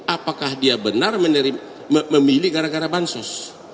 apakah dia benar memilih gara gara bansos